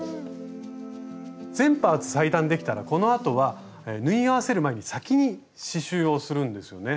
全パーツ裁断できたらこのあとは縫い合わせる前に先に刺しゅうをするんですよね。